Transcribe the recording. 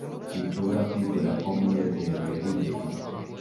sinshobora kwizera ko munezero yariye ibyo